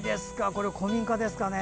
これ、古民家ですかね。